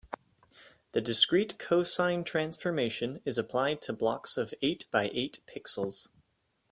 The discrete cosine transform is applied to blocks of eight by eight pixels.